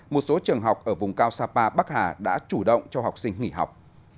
một số trường học ở vùng cao sapa bắc hà đã chủ động cho học sinh nghỉ học